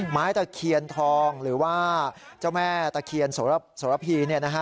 ตะเคียนทองหรือว่าเจ้าแม่ตะเคียนสรพี